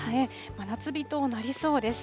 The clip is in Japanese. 真夏日となりそうです。